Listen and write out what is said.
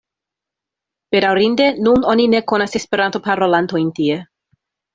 Bedaŭrinde nun oni ne konas Esperanto-parolantojn tie.